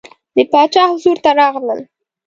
د باچا حضور ته راغلل.